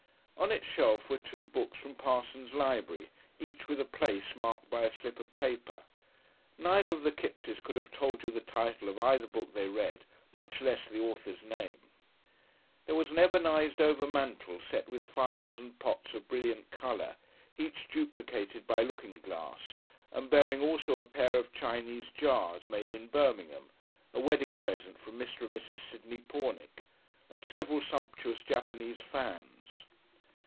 On its shelf were two books from Parsons' Library, each with a "place" marked by a slip of paper; neither of the Kippses could have told you the title of either book they read, much less the author's name. There was an ebonised overmantel set with phials and pots of brilliant colour, each duplicated by looking glass, and bearing also a pair of Chinese jars made in Birmingham, a wedding present from Mr. and Mrs. Sidney Pornick, and several sumptuous Japanese fans.